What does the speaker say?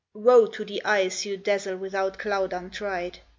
Woe to the eyes you dazzle without cloud Untried!